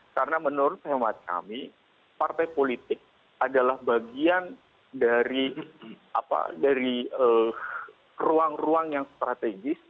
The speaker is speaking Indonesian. karena menurut teman kami partai politik adalah bagian dari ruang ruang yang strategis